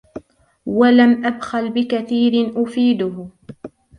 وَلَمْ أَبْخَلْ بِكَثِيرٍ أُفِيدُهُ